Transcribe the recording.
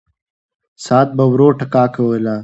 ساعت به ورو ټکا کوله.